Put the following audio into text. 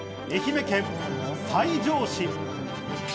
愛媛県西条市。